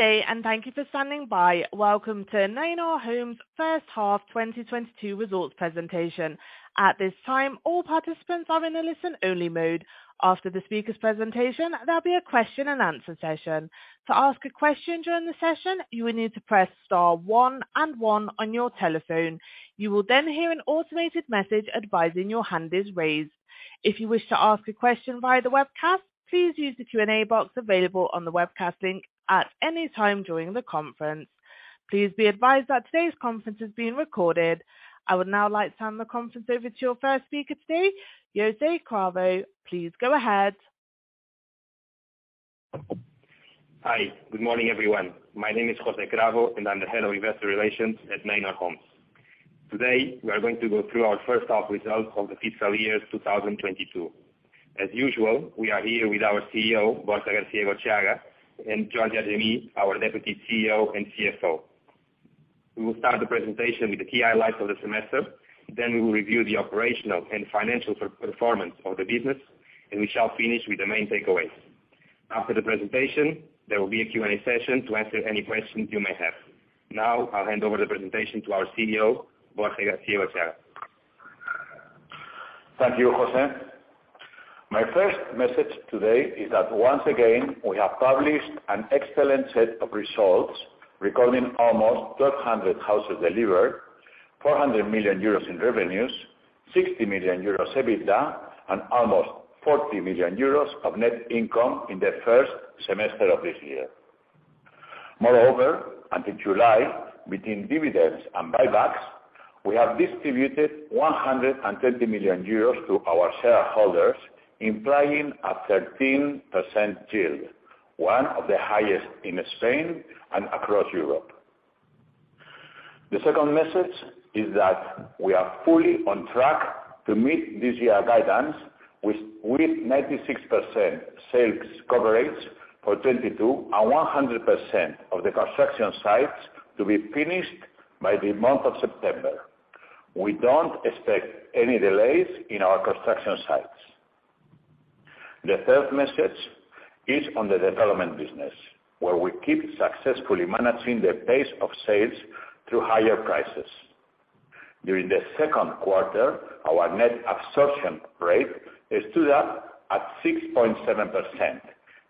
Good day, thank you for standing by. Welcome to Neinor Homes first-half 2022 results presentation. At this time, all participants are in a listen-only mode. After the speaker's presentation, there'll be a question and answer session. To ask a question during the session, you will need to press star one and one on your telephone. You will then hear an automated message advising your hand is raised. If you wish to ask a question via the webcast, please use the Q&A box available on the webcast link at any time during the conference. Please be advised that today's conference is being recorded. I would now like to hand the conference over to your first speaker today, José Cravo. Please go ahead. Hi. Good morning, everyone. My name is José Cravo, and I'm the head of investor relations at Neinor Homes. Today, we are going to go through our first half results of the fiscal year 2022. As usual, we are here with our CEO, Borja García-Egotxeaga, and Jordi Argemí, our deputy CEO and CFO. We will start the presentation with the key highlights of the semester, then we will review the operational and financial performance of the business, and we shall finish with the main takeaways. After the presentation, there will be a Q&A session to answer any questions you may have. Now I'll hand over the presentation to our CEO, Borja García-Egotxeaga. Thank you, José. My first message today is that once again, we have published an excellent set of results, recording almost 1,200 houses delivered, 400 million euros in revenues, 60 million euros EBITDA, and almost 40 million euros of net income in the first semester of this year. Moreover, until July, between dividends and buybacks, we have distributed 130 million euros to our shareholders, implying a 13% yield, one of the highest in Spain and across Europe. The second message is that we are fully on track to meet this year guidance, with 96% sales coverage for 2022 and 100% of the construction sites to be finished by the month of September. We don't expect any delays in our construction sites. The third message is on the development business, where we keep successfully managing the pace of sales through higher prices. During the second quarter, our net absorption rate stood up at 6.7%,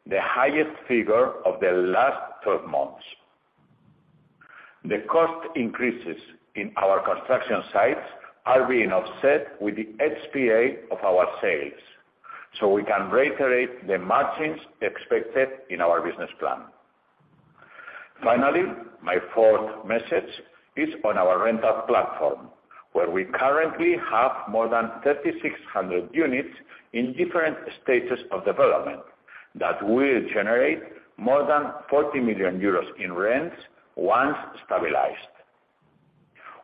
the highest figure of the last 12 months. The cost increases in our construction sites are being offset with the ASP of our sales, so we can reiterate the margins expected in our business plan. Finally, my fourth message is on our rental platform, where we currently have more than 3,600 units in different stages of development that will generate more than 40 million euros in rents once stabilized.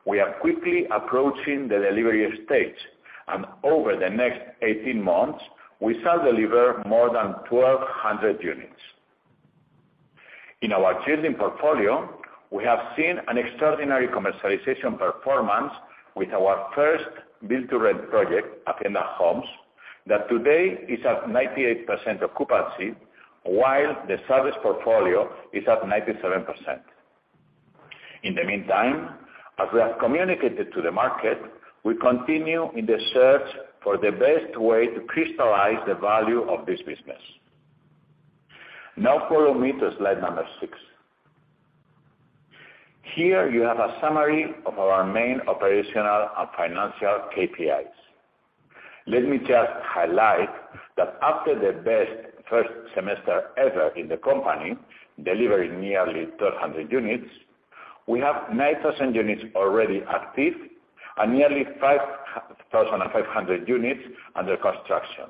We are quickly approaching the delivery stage, and over the next 18 months, we shall deliver more than 1,200 units. In our building portfolio, we have seen an extraordinary commercialization performance with our first build-to-rent project, Hacienda Homes, that today is at 98% occupancy, while the service portfolio is at 97%. In the meantime, as we have communicated to the market, we continue in the search for the best way to crystallize the value of this business. Now follow me to slide number six. Here you have a summary of our main operational and financial KPIs. Let me just highlight that after the best first semester ever in the company, delivering nearly 1,200 units, we have 9,000 units already active and nearly 5,500 units under construction.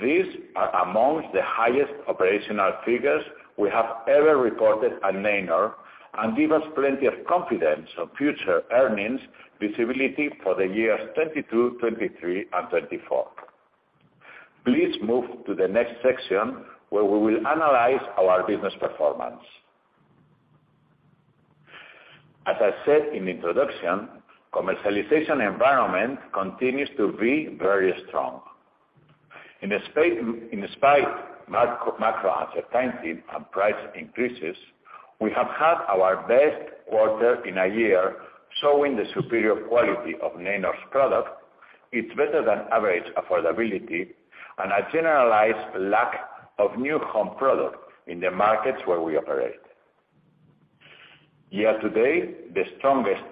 These are among the highest operational figures we have ever recorded at Neinor and give us plenty of confidence on future earnings visibility for the years 2022, 2023 and 2024. Please move to the next section where we will analyze our business performance. As I said in introduction, commercialization environment continues to be very strong. In spite of macro uncertainty and price increases, we have had our best quarter in a year, showing the superior quality of Neinor's product. It's better than average affordability and a generalized lack of new home product in the markets where we operate. Year to date, the strongest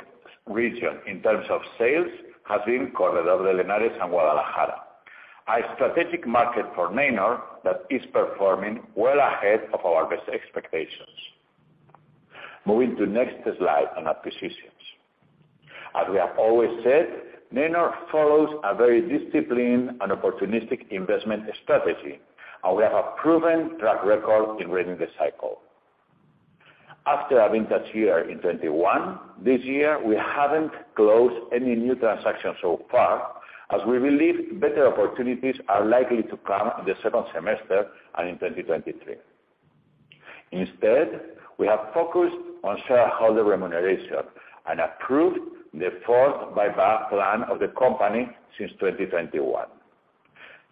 region in terms of sales has been Corredor del Henares and Guadalajara, a strategic market for Neinor that is performing well ahead of our best expectations. Moving to next slide on acquisitions. As we have always said, Neinor follows a very disciplined and opportunistic investment strategy, and we have a proven track record in reading the cycle. After a vintage year in 2021, this year, we haven't closed any new transactions so far, as we believe better opportunities are likely to come in the second semester and in 2023. Instead, we have focused on shareholder remuneration and approved the fourth buyback plan of the company since 2021.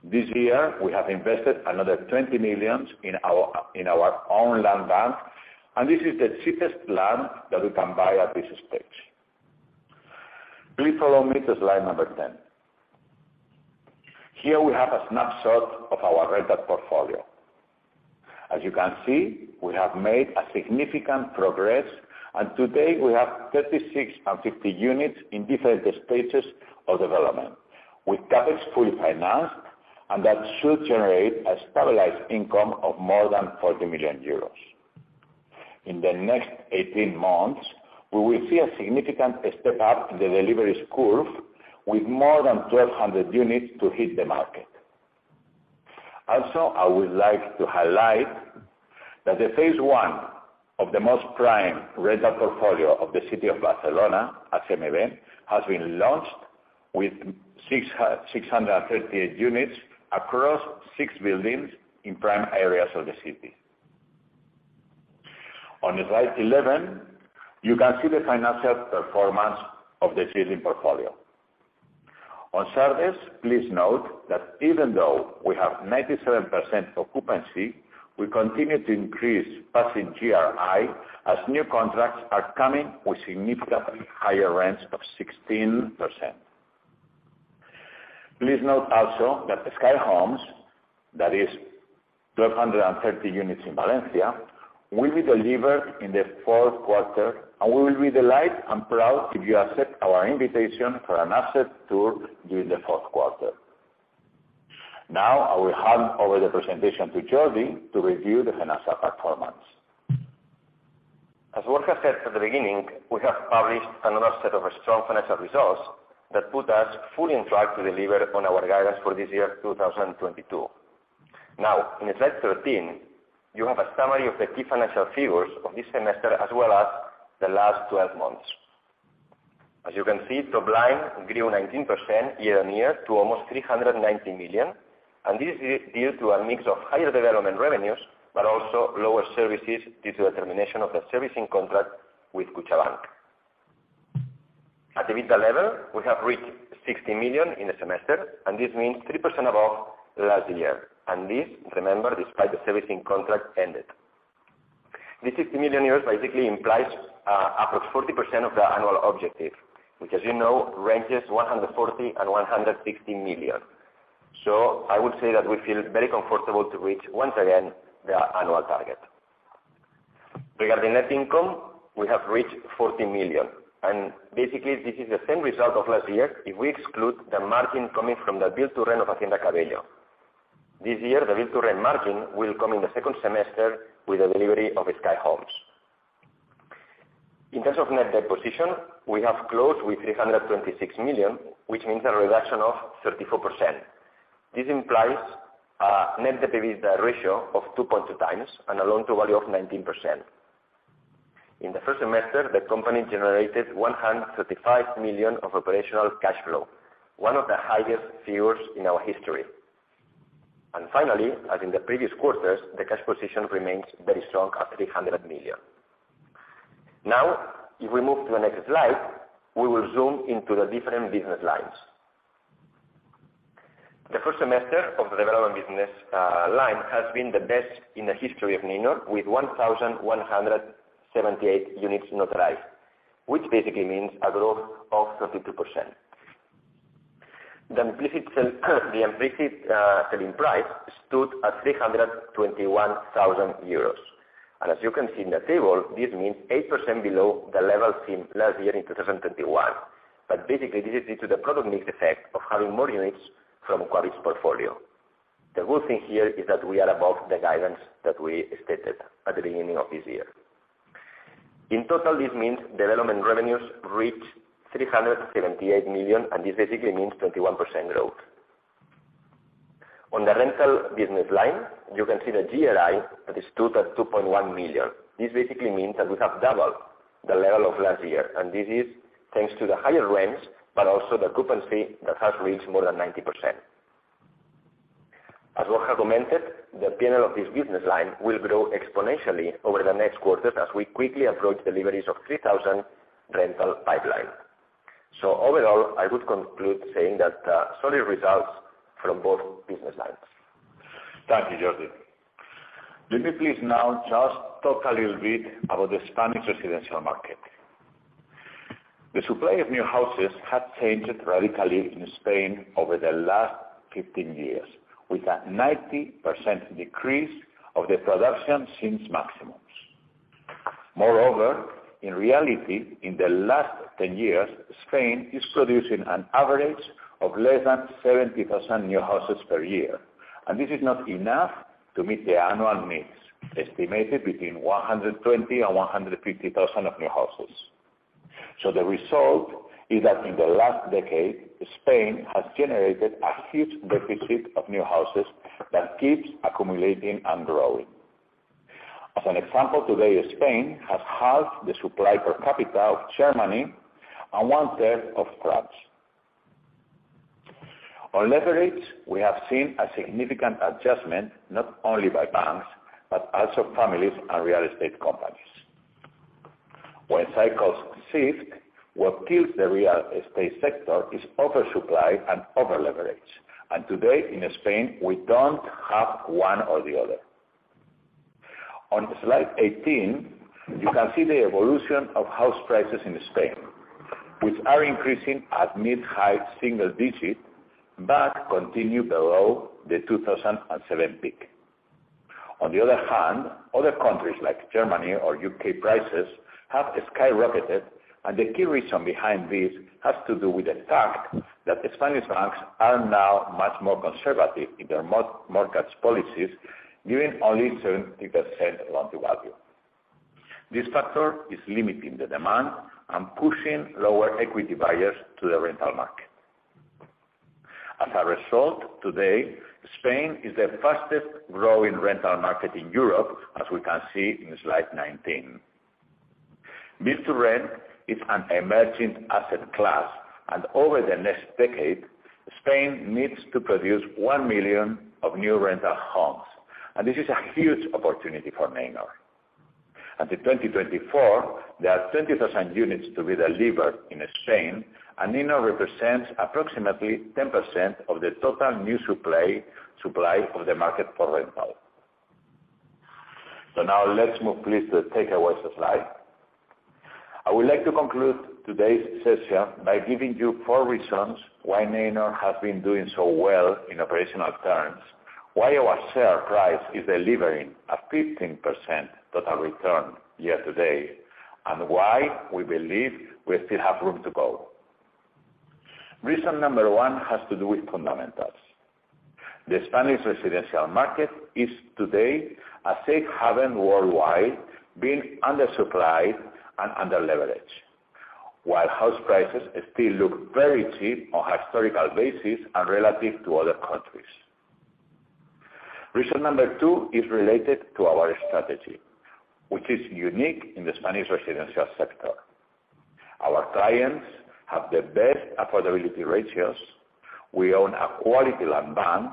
This year, we have invested another 20 million in our own land bank, and this is the cheapest land that we can buy at this stage. Please follow me to slide number 10. Here we have a snapshot of our rental portfolio. As you can see, we have made a significant progress, and today we have 36 and 50 units in different stages of development, with CapEx fully financed, and that should generate a stabilized income of more than 40 million euros. In the next 18 months, we will see a significant step up in the deliveries curve with more than 1,200 units to hit the market. I would like to highlight that phase I of the most prime rental portfolio of the city of Barcelona, as in event, has been launched with 638 units across six buildings in prime areas of the city. On slide 11, you can see the financial performance of the seasoned portfolio. In service, please note that even though we have 97% occupancy, we continue to increase passing GRI as new contracts are coming with significantly higher rents of 16%. Please note also that Sky Homes, that is 1,230 units in Valencia, will be delivered in the fourth quarter, and we will be delighted and proud if you accept our invitation for an asset tour during the fourth quarter. Now, I will hand over the presentation to Jordi to review the financial performance. As Jorge said at the beginning, we have published another set of strong financial results that put us fully on track to deliver on our guidance for this year, 2022. Now, in slide 13, you have a summary of the key financial figures of this semester as well as the last 12 months. As you can see, top line grew 19% year-on-year to almost 390 million, and this is due to a mix of higher development revenues, but also lower services due to the termination of the servicing contract with CaixaBank. At EBITDA level, we have reached 60 million in a semester, and this means 3% above last year. This, remember, despite the servicing contract ended. This 60 million euros basically implies up to 40% of the annual objective, which, as you know, ranges 140 million and 160 million. I would say that we feel very comfortable to reach, once again, the annual target. Regarding net income, we have reached 40 million. Basically, this is the same result of last year, if we exclude the margin coming from the build-to-rent of Hacienda Cabello. This year, the build-to-rent margin will come in the second semester with the delivery of Sky Homes. In terms of net debt position, we have closed with 326 million, which means a reduction of 34%. This implies a net debt to EBITDA ratio of 2.2x and a loan-to-value of 19%. In the first semester, the company generated 135 million of operational cash flow, one of the highest figures in our history. Finally, as in the previous quarters, the cash position remains very strong at 300 million. Now, if we move to the next slide, we will zoom into the different business lines. The first semester of the development business line has been the best in the history of Neinor, with 1,178 units notarized, which basically means a growth of 32%. The implicit selling price stood at 321,000 euros. As you can see in the table, this means 8% below the level seen last year in 2021. Basically, this is due to the product mix effect of having more units from Quabit's portfolio. The good thing here is that we are above the guidance that we stated at the beginning of this year. In total, this means development revenues reached 378 million, and this basically means 21% growth. On the rental business line, you can see the GRI that stood at 2.1 million. This basically means that we have doubled the level of last year, and this is thanks to the higher rents, but also the occupancy that has reached more than 90%. As Borja commented, the P&L of this business line will grow exponentially over the next quarter as we quickly approach deliveries of 3,000 rental pipeline. Overall, I would conclude saying that solid results from both business lines. Thank you, Jordi. Let me please now just talk a little bit about the Spanish residential market. The supply of new houses has changed radically in Spain over the last 15 years, with a 90% decrease of the production since maximums. Moreover, in reality, in the last ten years, Spain is producing an average of less than 70,000 new houses per year. This is not enough to meet the annual needs, estimated between 120,000 and 150,000 new houses. The result is that in the last decade, Spain has generated a huge deficit of new houses that keeps accumulating and growing. As an example, today, Spain has half the supply per capita of Germany and one-third of France. On leverage, we have seen a significant adjustment not only by banks, but also families and real estate companies. When cycles shift, what kills the real estate sector is oversupply and over-leverage. Today in Spain, we don't have one or the other. On slide 18, you can see the evolution of house prices in Spain, which are increasing at mid-high single digit%, but continue below the 2007 peak. On the other hand, other countries like Germany or U.K. prices have skyrocketed, and the key reason behind this has to do with the fact that the Spanish banks are now much more conservative in their mortgage policies, giving only 70% loan-to-value. This factor is limiting the demand and pushing lower equity buyers to the rental market. As a result, today, Spain is the fastest-growing rental market in Europe, as we can see in slide 19. Build-to-rent is an emerging asset class, and over the next decade, Spain needs to produce 1 million of new rental homes, and this is a huge opportunity for Neinor. Until 2024, there are 20,000 units to be delivered in Spain, and Neinor represents approximately 10% of the total new supply for the market for rental. Now let's move please to the takeaways slide. I would like to conclude today's session by giving you four reasons why Neinor has been doing so well in operational terms, why our share price is delivering a 15% total return year-to-date, and why we believe we still have room to go. Reason number one has to do with fundamentals. The Spanish residential market is today a safe haven worldwide, being under supplied and under leveraged, while house prices still look very cheap on a historical basis and relative to other countries. Reason number two is related to our strategy, which is unique in the Spanish residential sector. Our clients have the best affordability ratios, we own a quality land bank,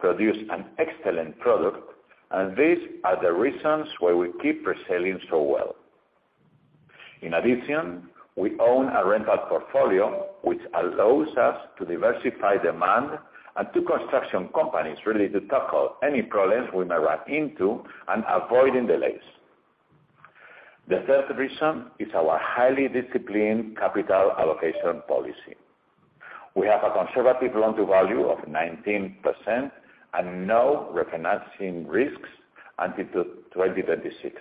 produce an excellent product, and these are the reasons why we keep reselling so well. In addition, we own a rental portfolio, which allows us to diversify demand and two construction companies ready to tackle any problems we may run into and avoiding delays. The third reason is our highly disciplined capital allocation policy. We have a conservative loan-to-value of 19% and no refinancing risks until 2026.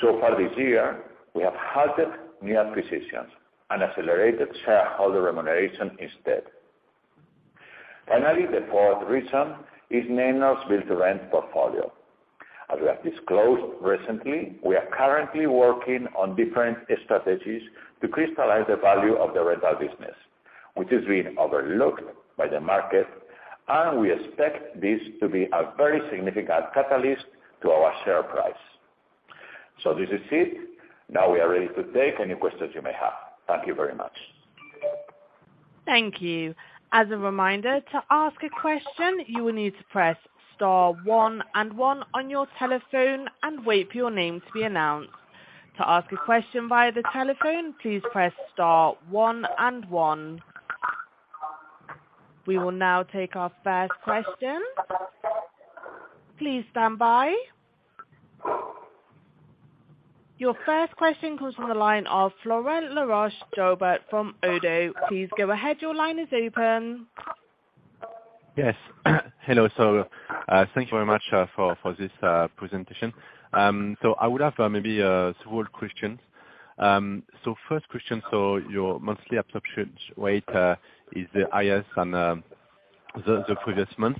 So far this year, we have halted new acquisitions and accelerated shareholder remuneration instead. Finally, the fourth reason is Neinor's build-to-rent portfolio. As we have disclosed recently, we are currently working on different strategies to crystallize the value of the rental business, which is being overlooked by the market, and we expect this to be a very significant catalyst to our share price. This is it. Now we are ready to take any questions you may have. Thank you very much. Thank you. As a reminder, to ask a question, you will need to press star one and one on your telephone and wait for your name to be announced. To ask a question via the telephone, please press star one and one. We will now take our first question. Please stand by. Your first question comes from the line of Florent Laroche-Joubert from Oddo BHF. Please go ahead. Your line is open. Yes. Hello, sir. Thank you very much for this presentation. I would have maybe two or three questions. First question, your monthly absorption rate is the highest in the previous month.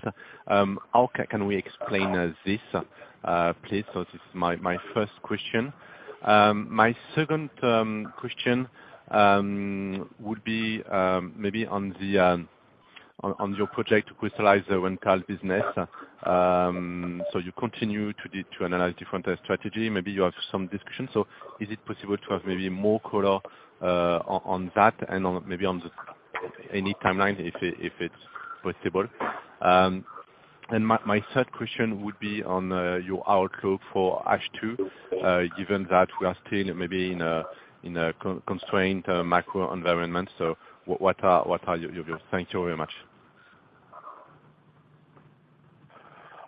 How can we explain this, please? This is my first question. My second question would be maybe on your project to crystallize the rental business. You continue to analyze different strategies. Maybe you have some discussion. Is it possible to have maybe more color on that and on any timeline if it's possible? My third question would be on your outlook for H2, given that we are still maybe in a constrained macro environment. What are your views? Thank you very much.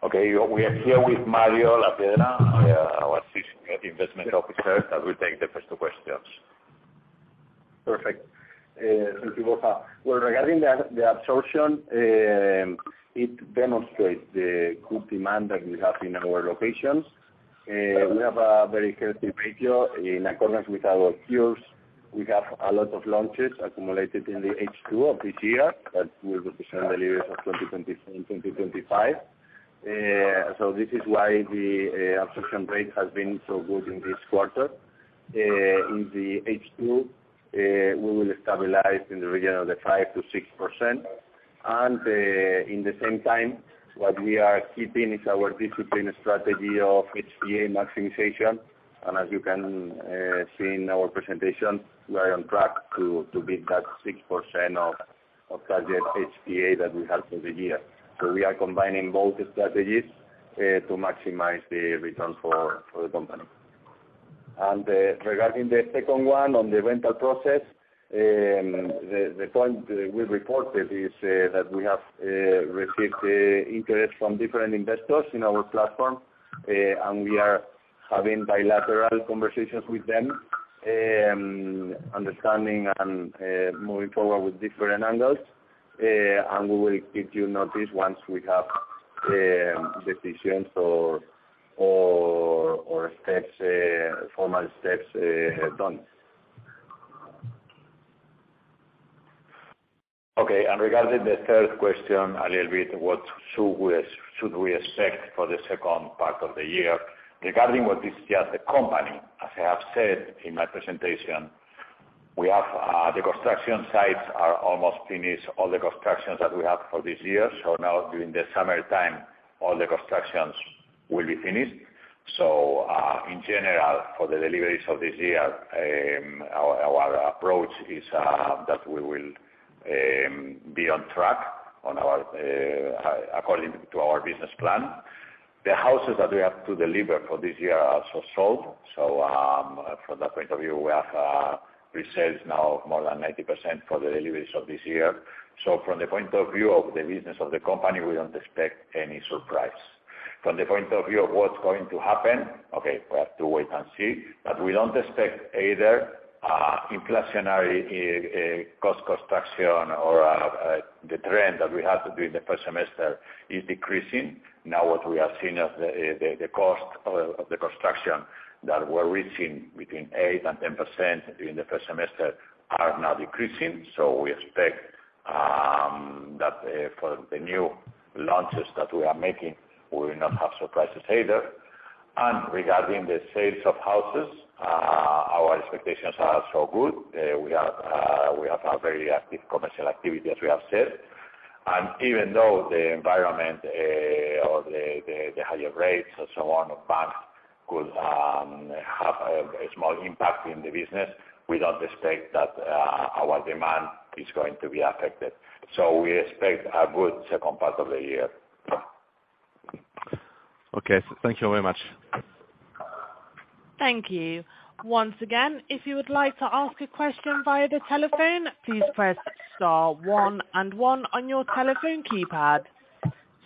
Okay. We are here with Mario Lapiedra Vivanco, our Chief Investment Officer that will take the first two questions. Perfect. Thank you both. Well, regarding the absorption, it demonstrates the good demand that we have in our locations. We have a very healthy ratio in accordance with our peers. We have a lot of launches accumulated in the H2 of this year that will represent deliveries of 2024 and 2025. This is why the absorption rate has been so good in this quarter. In the H2, we will stabilize in the region of the 5%-6%. In the same time, what we are keeping is our disciplined strategy of HDA maximization. As you can see in our presentation, we are on track to beat that 6% target HPA that we have for the year. We are combining both strategies to maximize the return for the company. Regarding the second one on the rental process, the point we reported is that we have received interest from different investors in our platform. We are having bilateral conversations with them, understanding and moving forward with different angles. We will keep you notified once we have decisions or steps, formal steps done. Okay. Regarding the third question a little bit, what should we expect for the second part of the year? Regarding what is just the company, as I have said in my presentation, we have the construction sites are almost finished, all the constructions that we have for this year. Now during the summertime, all the constructions will be finished. In general, for the deliveries of this year, our approach is that we will be on track according to our business plan. The houses that we have to deliver for this year are so sold. From that point of view, we have resales now more than 90% for the deliveries of this year. From the point of view of the business of the company, we don't expect any surprise. From the point of view of what's going to happen, okay, we have to wait and see, but we don't expect either inflationary construction costs or the trend that we had during the first semester is decreasing. Now, what we have seen of the cost of the construction that we're reaching between 8%-10% in the first semester are now decreasing. We expect that for the new launches that we are making, we will not have surprises either. Regarding the sales of houses, our expectations are so good. We have a very active commercial activity, as we have said. Even though the environment, or the higher rates and so on, of banks could have a small impact in the business, we don't expect that our demand is going to be affected. We expect a good second part of the year. Okay. Thank you very much. Thank you. Once again, if you would like to ask a question via the telephone, please press star one and one on your telephone keypad.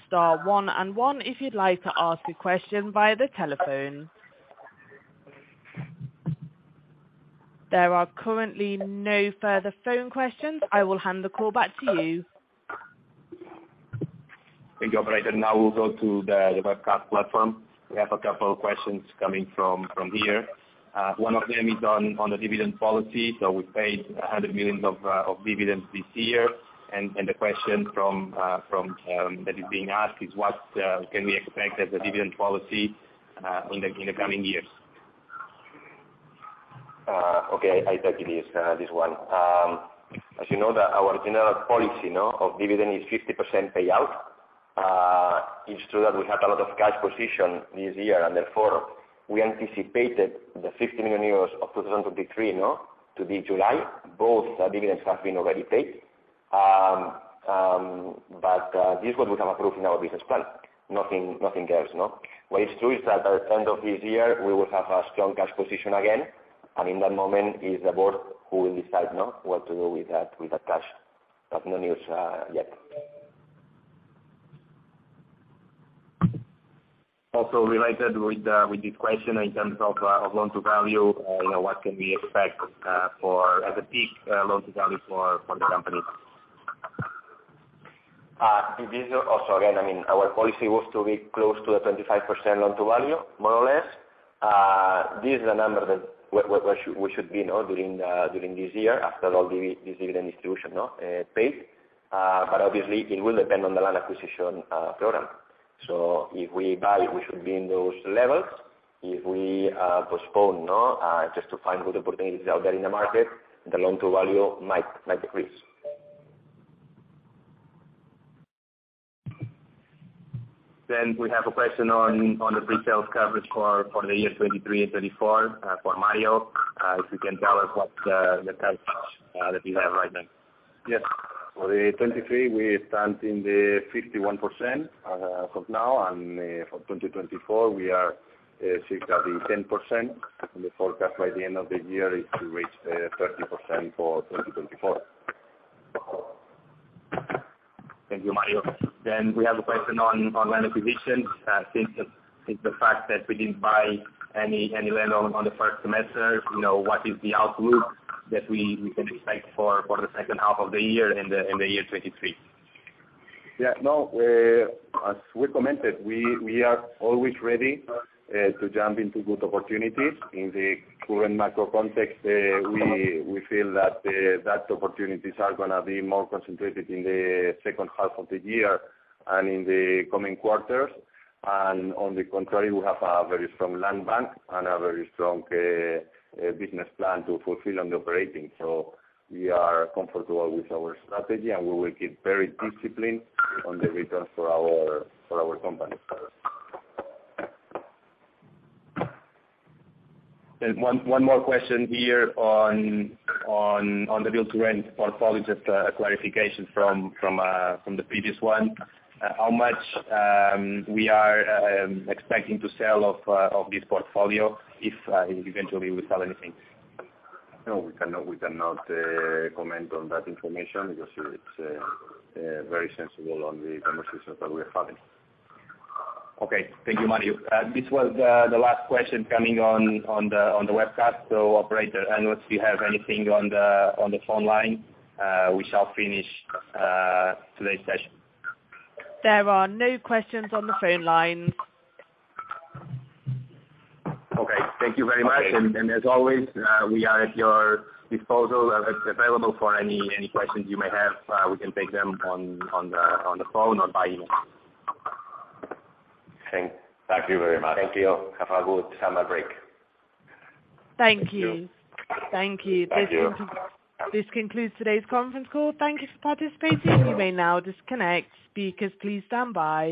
Star one and one if you'd like to ask a question via the telephone. There are currently no further phone questions. I will hand the call back to you. Thank you, operator. Now we'll go to the webcast platform. We have a couple of questions coming from here. One of them is on the dividend policy. We paid 100 million of dividends this year. The question from that is being asked is what can we expect as a dividend policy in the coming years? Okay. I take it, this one. As you know that our general policy now of dividend is 50% payout. It's true that we have a lot of cash position this year, and therefore we anticipated the 50 million euros of 2023, you know, to be July. Both dividends have been already paid. This is what we have approved in our business plan. Nothing else, no? What is true is that at end of this year we will have a strong cash position again, and in that moment is the board who will decide, no, what to do with that cash. No news yet. Also related with this question in terms of loan-to-value, you know, what can we expect for at the peak, loan-to-value for the company? This also again, I mean, our policy was to be close to a 25% loan-to-value, more or less. This is a number that we should know during this year after all this dividend distribution is paid. But obviously it will depend on the land acquisition program. If we buy, we should be in those levels. If we postpone just to find good opportunities out there in the market, the loan-to-value might decrease. We have a question on the pre-sales coverage for the year 2023 and 2024, for Mario. If you can tell us what's the targets that you have right now. Yes. For 2023, we stand at 51%, as of now. For 2024, we are 60%-70%. The forecast by the end of the year is to reach 70% for 2024. Thank you, Mario. We have a question on land acquisition. Since the fact that we didn't buy any land on the first semester, you know, what is the outlook that we can expect for the second half of the year and the year 2023? Yeah. No. As we commented, we are always ready to jump into good opportunities. In the current macro context, we feel that opportunities are gonna be more concentrated in the second half of the year and in the coming quarters. On the contrary, we have a very strong land bank and a very strong business plan to fulfill on the operating. We are comfortable with our strategy, and we will keep very disciplined on the returns for our company. One more question here on the build-to-rent portfolio. Just a clarification from the previous one. How much we are expecting to sell of this portfolio if eventually we sell anything? No, we cannot comment on that information because it's very sensitive to the conversations that we are having. Okay. Thank you, Mario. This was the last question coming on the webcast. Operator, unless you have anything on the phone line, we shall finish today's session. There are no questions on the phone line. Okay. Thank you very much. Okay. As always, we are at your disposal available for any questions you may have. We can take them on the phone or by email. Thank you very much. Thank you. Have a good summer break. Thank you. Thank you. Thank you. This concludes today's conference call. Thank you for participating. You may now disconnect. Speakers, please stand by.